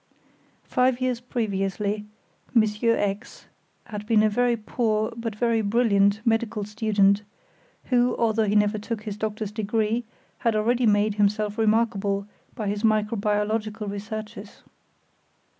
Five years previously, Monsieur X had been a very poor, but very brilliant medical student, who, although he never took his doctor's degree, had already made himself remarkable by his microbiological researches.